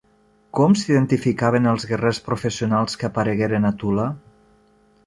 Com s'identificaven els guerrers professionals que aparegueren a Tula?